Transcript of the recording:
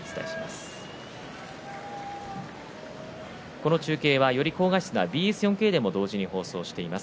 この中継は、より高画質なＢＳ４Ｋでも同時に放送しています。